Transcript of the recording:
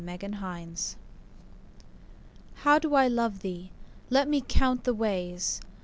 XLIII How do I love thee? Let me count the ways.